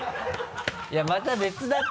いやまた別だって。